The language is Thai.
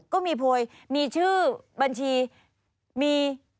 ก็มีโพยมีชื่อบัญชีมี